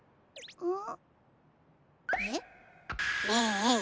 うん？